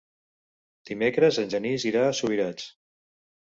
Dimecres en Genís irà a Subirats.